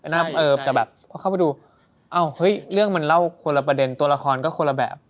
เข้าไปดูเอ้าเรื่องมันเล่าคนละประเด็นตัวละครก็คนละแบบ